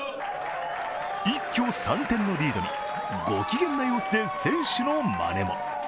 一挙３点のリードに、ご機嫌の様子で選手のまねも。